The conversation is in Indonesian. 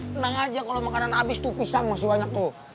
tenang aja kalau makanan habis itu pisang masih banyak tuh